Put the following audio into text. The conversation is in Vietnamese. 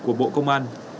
của bộ công an